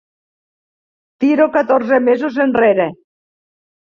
Tiro catorze mesos enrere.